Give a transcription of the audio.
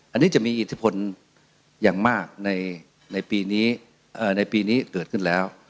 อันนี้จะมีอิทธิพลอย่างมากในปีนี้ในปีนี้เกิดขึ้นแล้ว